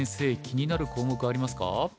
気になる項目ありますか？